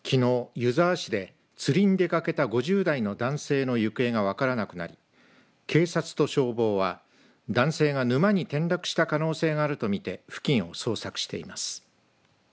湯沢市で釣りに出かけた５０代の男性の行方が分からなくなり、警察と消防は男性が沼に転落した可能性があると見て付近を捜索しています。